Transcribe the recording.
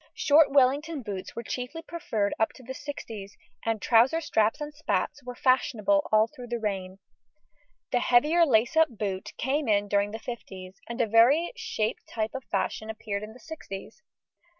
Short Wellington boots were chiefly preferred up to the sixties, and trouser straps and spats were fashionable all through the reign. The heavier lace up boot came in during the fifties, and a very shaped type of fashion appeared in the sixties.